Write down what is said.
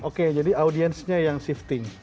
oke jadi audiensnya yang shifting